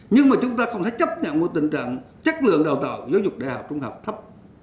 nhưng mà chúng ta không thể chấp nhận một tình trạng chất lượng đào tạo giáo dục đại học trung học thấp